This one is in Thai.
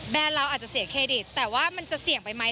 เราอาจจะเสียเครดิตแต่ว่ามันจะเสี่ยงไปไหม